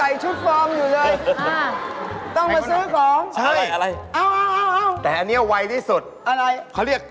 ยังใส่ชุดฟอร์มอยู่เลย